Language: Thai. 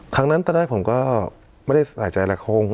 ครั้งนั้นตอนแรกผมก็ไม่ได้ใส่ใจอะไร